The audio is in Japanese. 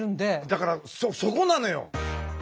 だからそこなのよ。